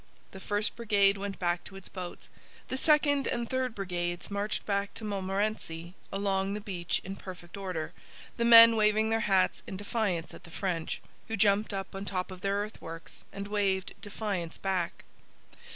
The first brigade went back to its boats. The second and third brigades marched back to Montmorency along the beach in perfect order, the men waving their hats in defiance at the French, who jumped up on top of their earthworks and waved defiance back.